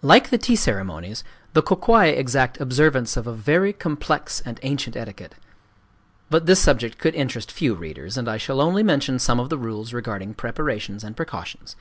Like the tea ceremonies, the Kō kwai exact observance of a very complex and ancient etiquette. But this subject could interest few readers; and I shall only mention some of the rules regarding preparations and precautions.